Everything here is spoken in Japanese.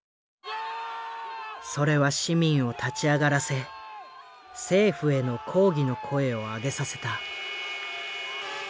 それは市民を立ち上がらせ政府への抗議の声をあげさせた。